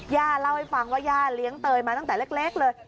ย่าเล่าให้ฟังว่าย่าเลี้ยงเตยมาตั้งแต่เล็กเลย